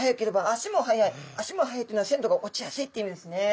「足も早い」っていうのは鮮度が落ちやすいっていう意味ですね。